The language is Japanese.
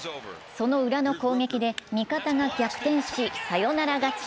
そのウラの攻撃で味方が逆転し、サヨナラ勝ち。